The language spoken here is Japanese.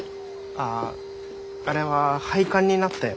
あああれは廃刊になったよ。